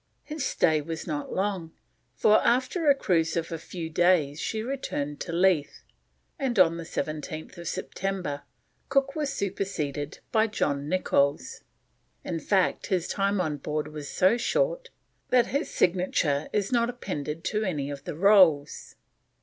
His stay was not long, for after a cruise of a few days she returned to Leith, and on 17th September Cook was superseded by John Nichols; in fact, his time on board was so short that his signature is not appended to any of the rolls.